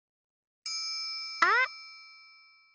あっ！